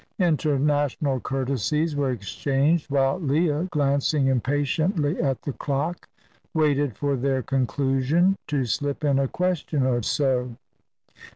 International courtesies were exchanged, while Leah, glancing impatiently at the clock, waited for their conclusion to slip in a question or so.